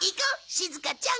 しずかちゃん。